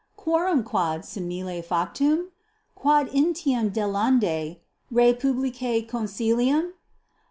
Quorum quod simile factum? quod initum delendae rei publicae consilium?